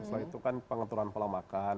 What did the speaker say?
soal itu kan pengaturan pola makan